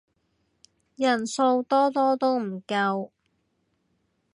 人數多多都唔夠